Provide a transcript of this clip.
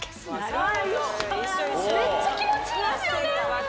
めっちゃ気持ちいいですよね。